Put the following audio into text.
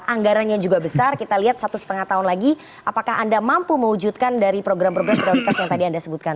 anggarannya juga besar kita lihat satu setengah tahun lagi apakah anda mampu mewujudkan dari program program prioritas yang tadi anda sebutkan